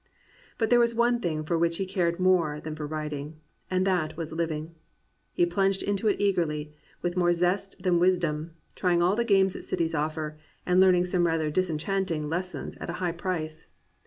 But there was one thing for which he cared more than for writing, and that was living. He plunged into it eagerly, with more zest than wisdom, trying all the games that cities offer, and learning some rather disenchanting lessons at a high price.